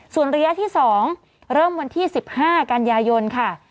ส่วนระยะที่๒เริ่มวันที่๑๕กันยายนค่ะ